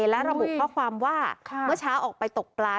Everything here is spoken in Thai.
และระบุข้อความว่าเมื่อเช้าออกไปตกปลา